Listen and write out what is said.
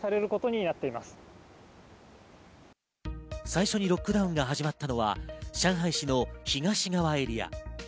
最初にロックダウンが始まったのは上海市の東側エリア。